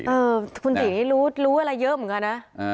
เออคุณศรีรู้อะไรเยอะเหมือนกันนะ